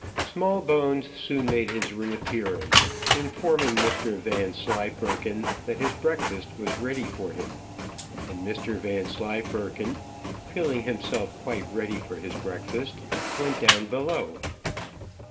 Smallbones soon made his re appearance, informing Mr Vanslyperken that his breakfast was ready for him, and Mr Vanslyperken, feeling himself quite ready for his breakfast, went down below.